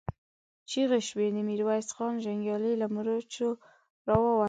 چيغې شوې، د ميرويس خان جنګيالي له مورچو را ووتل.